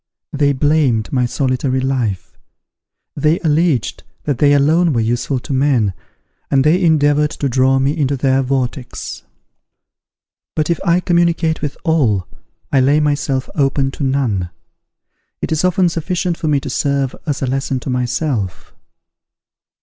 They blamed my solitary life; they alleged that they alone were useful to men, and they endeavoured to draw me into their vortex. But if I communicate with all, I lay myself open to none. It is often sufficient for me to serve as a lesson to myself.